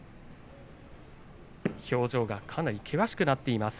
表情がかなり険しくなっています